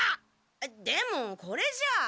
でもこれじゃあ。